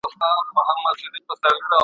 د زده کړې خنډونه باید د حکومت لخوا حل شي.